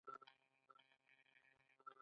د میرمنو کار د کار بازار تنوع زیاتوي.